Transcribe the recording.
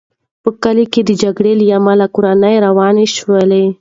په کلي کې د جګړې له امله کورونه وران شول.